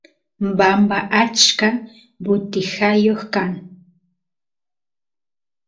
bamba achka butijayoq kan